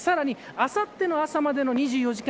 あさっての朝までの２４時間